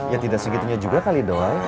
ya tidak segitunya juga kali doi